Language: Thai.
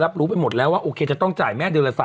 รู้ไปหมดแล้วว่าโอเคจะต้องจ่ายแม่เดือนละ๓๐๐